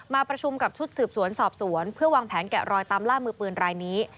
มาประชุมกับชุดสืบสวนสอบสวนเพื่อวางแผนแกะรอยตามล่ามือปืนรายนี้